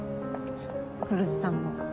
来栖さんも。